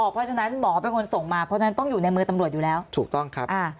เพราะฉะนั้นหมอเป็นคนส่งมาเพราะฉะนั้นต้องอยู่ในมือตำรวจอยู่แล้วถูกต้องครับ